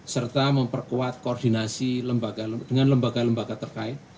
serta memperkuat koordinasi dengan lembaga lembaga terkait